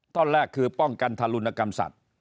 ตอนแรกคือป้องกันทารุณกรรมสัตว์